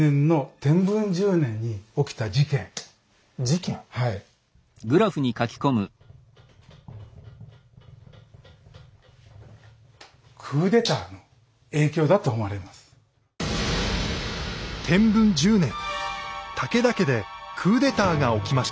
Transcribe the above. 天文１０年武田家でクーデターが起きました。